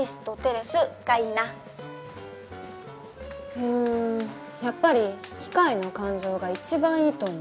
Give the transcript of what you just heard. うんやっぱり「機械の感情」が一番いいと思う。